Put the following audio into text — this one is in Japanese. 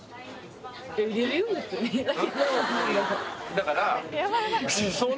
だから。